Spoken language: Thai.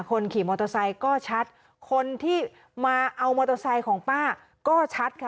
คนขี่มอเตอร์ไซค์ก็ชัดคนที่มาเอามอเตอร์ไซค์ของป้าก็ชัดค่ะ